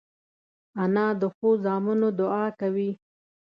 انا د ښو زامنو دعا کوي